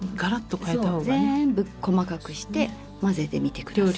ぜんぶ細かくして混ぜてみて下さい。